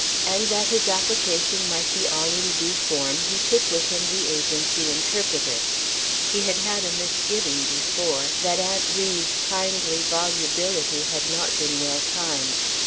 And that his application might be all in due form, he took with him the Agency interpreter. He had had a misgiving, before, that Aunt Ri's kindly volubility had not been well timed.